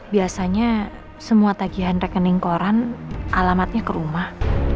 biasanya semua tagihan rekening koran alamatnya ke rumah